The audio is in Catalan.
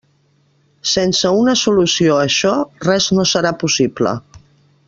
Sense una solució a això, res no serà possible.